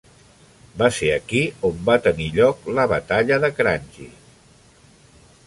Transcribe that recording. Va ser aquí on va tenir lloc la Batalla de Kranji.